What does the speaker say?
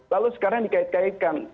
lalu sekarang dikait kaitkan